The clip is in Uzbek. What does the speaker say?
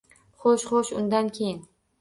Xo’sh, xo’sh, undan keyin…